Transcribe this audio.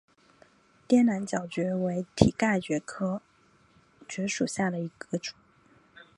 滇南角蕨为蹄盖蕨科角蕨属下的一个种。